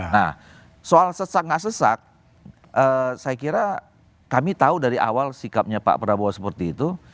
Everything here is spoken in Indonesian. nah soal sesak nggak sesak saya kira kami tahu dari awal sikapnya pak prabowo seperti itu